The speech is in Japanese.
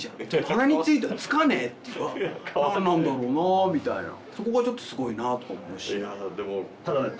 鼻についてつかねえってのは何なんだろうなぁみたいなそこがちょっとすごいなとか思うしただね